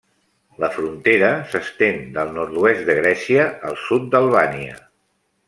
La frontera s'estén del nord-oest de Grècia al sud d'Albània.